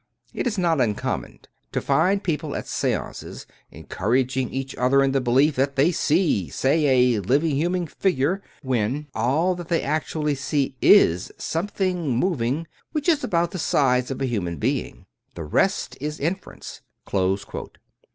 It is not uncommon to find people at stances encouraging 284 Hereward Carringtan each other in the belief that they see, say, a living human figure, when all that they actually see is something moving which is about the size of a human being; the rest is in ference.''